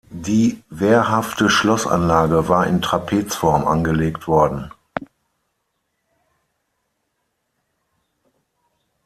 Die wehrhafte Schlossanlage war in Trapezform angelegt worden.